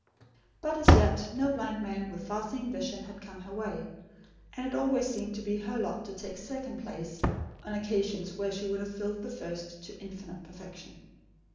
But as yet, no blind man with far seeing vision had come her way; and it always seemed to be her lot to take a second place, on occasions when she would have filled the first to infinite perfection.